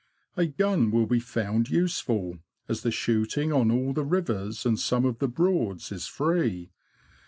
A gun will be found useful, as the shooting on all the rivers, and some of the Broads, is free.